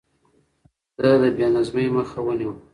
ده د بې نظمۍ مخه ونيوه.